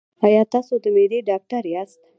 ایا تاسو د معدې ډاکټر یاست؟